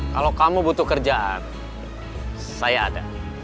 kalau kamu butuh kerjaan saya ada